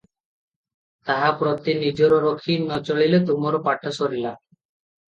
ତାହା ପ୍ରତି ନଜର ରଖି ନ ଚଳିଲେ ତୁମର ପାଠ ସରିଲା ।